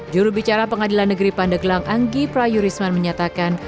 jurubicara pengadilan negeri pandeglang anggi prayurisman menyatakan